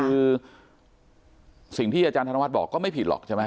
คือสิ่งที่อาจารย์ธนวัฒน์บอกก็ไม่ผิดหรอกใช่ไหม